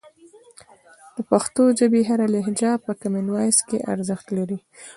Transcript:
د پښتو ژبې هره لهجه په کامن وایس کې ارزښت لري.